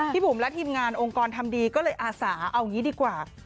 บุ๋มและทีมงานองค์กรทำดีก็เลยอาสาเอางี้ดีกว่า